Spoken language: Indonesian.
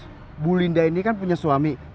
ibu linda ini kan punya suami